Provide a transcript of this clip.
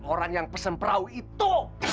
orang yang pesen perahu itu